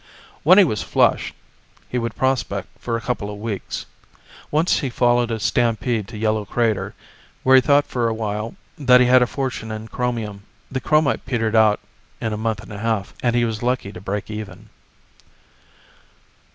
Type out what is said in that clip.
When he was flush, he would prospect for a couple of weeks. Once he followed a stampede to Yellow Crater, where he thought for a while that he had a fortune in chromium. The chromite petered out in a month and a half, and he was lucky to break even.